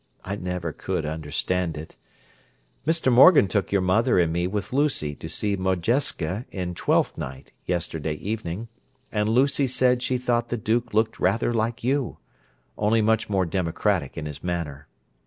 I never could understand it. Mr. Morgan took your mother and me with Lucy to see Modjeska in "Twelfth Night" yesterday evening, and Lucy said she thought the Duke looked rather like you, only much more democratic in his manner.